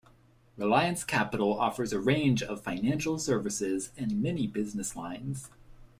Reliance Capital offers a range of financial services in many business lines.